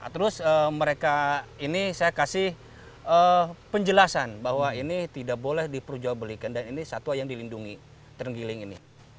terus mereka ini saya kasih penjelasan bahwa ini tidak boleh diperjualbelikan dan ini satwa yang dilindungi ternggiling ini